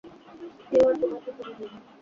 কেউ আর তোমার পিছনে নেই।